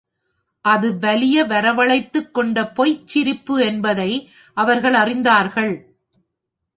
அது வலிய வரவழைத்துக் கொண்ட பொய்ச் சிரிப்பு என்பதை அவர்கள் அறிந்தார்கள்.